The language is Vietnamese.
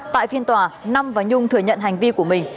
tại phiên tòa năm và nhung thừa nhận hành vi của mình